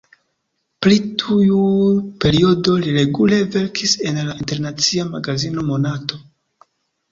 Pri tiu periodo li regule verkis en la internacia magazino Monato.